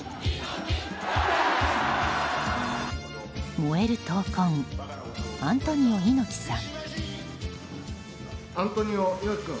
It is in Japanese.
燃える闘魂、アントニオ猪木さん。